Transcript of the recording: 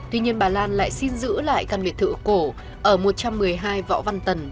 tuy nhiên bà lan lại xin giữ lại căn biệt thự cổ ở một trăm một mươi hai võ văn tần